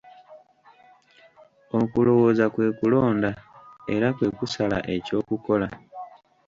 Okulowooza kwe kulonda era kwe kusala eky'okukola.